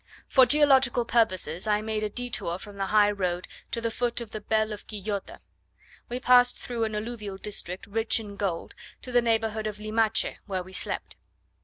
For geological purposes I made a detour from the high road to the foot of the Bell of Quillota. We passed through an alluvial district rich in gold, to the neighbourhood of Limache, where we slept.